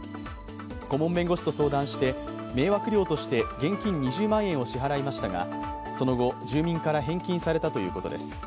顧問弁護士と相談して迷惑料として現金２０万円を支払いましたがその後、住民から返金されたということです。